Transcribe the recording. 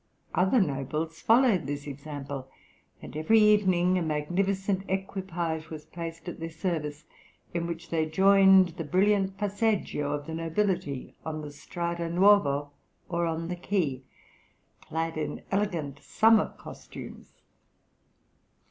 Other nobles followed this example; and every evening a magnificent equipage was placed at their service, in which they joined the brilliant passeggio of the nobility on the Strada Nuova or on the quay, clad in elegant summer costumes.